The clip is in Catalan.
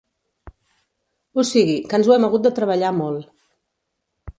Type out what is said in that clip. O sigui, que ens ho hem hagut de treballar molt.